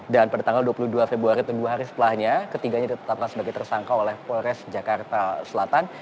dan pada tanggal dua puluh dua februari dua hari setelahnya ketiganya ditetapkan sebagai tersangka oleh polres jakarta selatan